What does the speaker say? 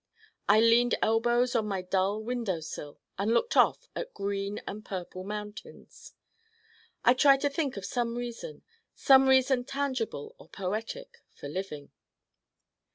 I leaned elbows on my dull window sill and looked off at green and purple mountains. I tried to think of some reason some reason tangible or poetic for living.